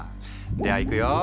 ではいくよ。